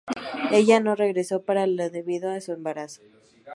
Ella no regresó para la debido a su embarazo.